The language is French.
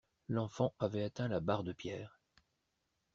L'enfant avait atteint la barre de pierre.